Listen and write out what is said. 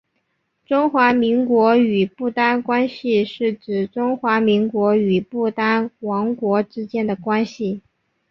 中华民国与不丹关系是指中华民国与不丹王国之间的关系。